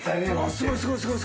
すごいすごいすごい。